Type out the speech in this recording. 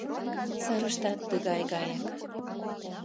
Сарыштат тыгай гаяк.